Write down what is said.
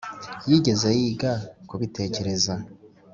yigeze yiga kubitekereza